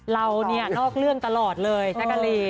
เรานี่นอกเรื่องตลอดเลยแช่กาลีน